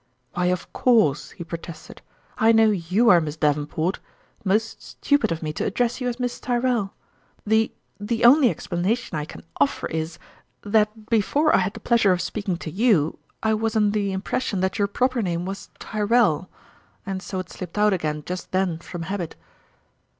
" Why, of course" he protested, " I know you are Miss Davenport. Most stupid of me to address you as Miss Tyrrell ! The the only explanation I can offer is, that before I had the pleasure of speaking to you, I was under the impression that your proper name Second Cheque. 55 was Tyrrell) and so it slipped out again just then from habit."